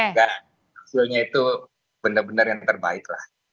nggak hasilnya itu benar benar yang terbaik lah